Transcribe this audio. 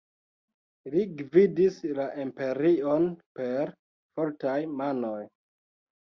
Li gvidis la imperion per fortaj manoj.